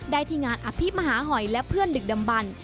ที่งานอภิมหาหอยและเพื่อนดึกดำบัน